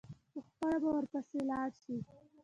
پخپله به ورپسي ولاړ شي.